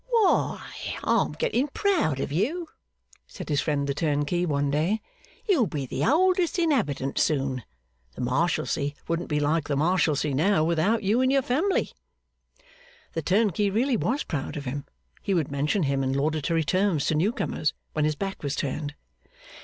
'Why, I'm getting proud of you,' said his friend the turnkey, one day. 'You'll be the oldest inhabitant soon. The Marshalsea wouldn't be like the Marshalsea now, without you and your family.' The turnkey really was proud of him. He would mention him in laudatory terms to new comers, when his back was turned.